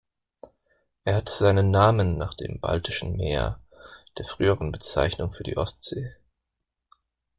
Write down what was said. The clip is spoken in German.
Er hat seinen Namen nach dem "baltischen Meer", der früheren Bezeichnung für die Ostsee.